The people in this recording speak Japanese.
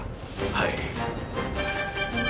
はい。